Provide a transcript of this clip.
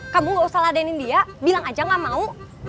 kamu gausah ladenin dia bilang aja ga mau